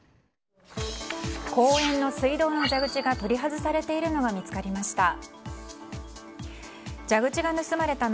公園の水道の蛇口が取り外されているのが見つかりました。